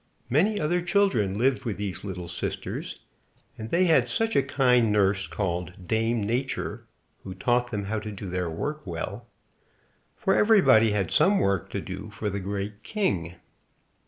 Many other children lived with these little sisters, and they had such a kind nurse called Dame Nature, who taught them how to do their work well; for everybody had some work to do for the Great King.